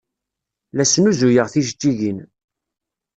La snuzuyeɣ tijeǧǧigin.